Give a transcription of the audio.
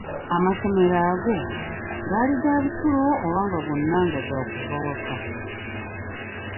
"Amasomero ago, gaali ga bisulo oba gonna nga ga kuva waka?"